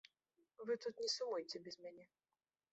Вы тут не сумуйце без мяне.